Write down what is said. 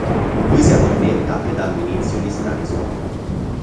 Lui si addormenta ed hanno inizio gli strani sogni.